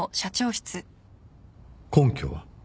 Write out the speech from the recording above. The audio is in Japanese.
根拠は？